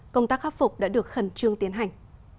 công tác khắc phục đã được khẩn trương tiến hành